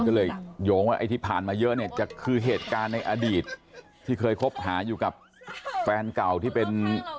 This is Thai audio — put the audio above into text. ก็เลยโยงว่าไอ้ที่ผ่านมาเยอะเนี่ยจะคือเหตุการณ์ในอดีตที่เคยคบหาอยู่กับแฟนเก่าที่เป็น